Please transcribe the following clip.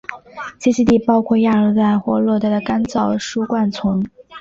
栖息地包括亚热带或热带的干燥疏灌丛。